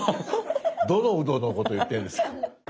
どのウドのこと言ってるんですか。